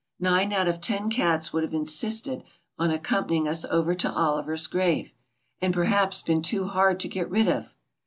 Nine out often cats would have insisted on accompan ying us over to Oliver's grave, and perhaps been too hard to get rid of.